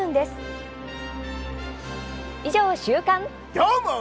どーも！